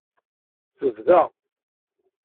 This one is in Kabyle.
Tebda.